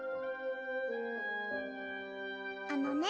あのね